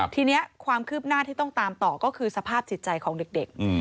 ทีนี้ความคืบหน้าที่ต้องตามต่อก็คือสภาพจิตใจของเด็ก